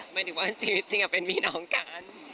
หมายถึงว่าจริงเป็นมีน้องกัน